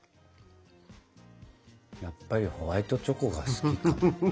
やっぱりホワイトチョコが好きかも。